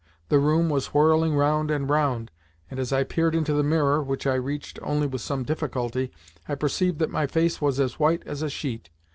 The room was whirling round and round, and as I peered into the mirror (which I reached only with some difficulty) I perceived that my face was as white as a sheet.